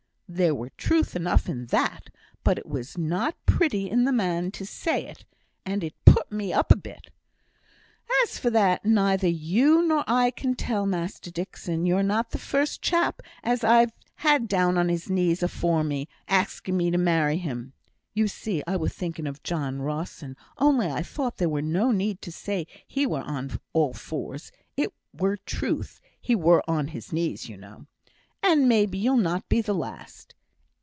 There were truth enough in that, but it was not pretty in the man to say it; and it put me up a bit. 'As for that, neither you nor I can tell, Master Dixon. You're not the first chap as I've had down on his knees afore me, axing me to marry him (you see I were thinking of John Rawson, only I thought there were no need to say he were on all fours it were truth he were on his knees, you know), and maybe you'll not be the last.